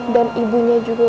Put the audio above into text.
dan ibunya juga